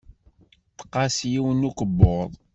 Tqas yiwen n ukebbuḍ.